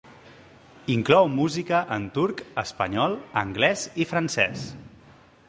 Inclou música en turc, espanyol, anglès i francès.